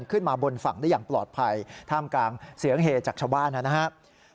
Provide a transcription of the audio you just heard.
ขึ้นมาบนฝั่งได้อย่างปลอดภัยท่ามกลางเสียงเฮจากชาวบ้านนะครับ